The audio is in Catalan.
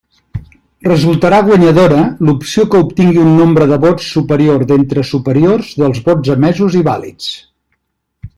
Resultarà guanyadora l'opció que obtingui un nombre de vots superior d'entre superiors dels vots emesos i vàlids.